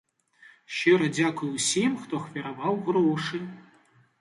Шчыра дзякую ўсім, хто ахвяраваў грошы.